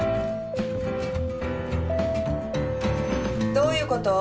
どういうこと？